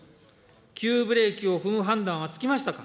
急ブレーキを踏む判断はつきましたか。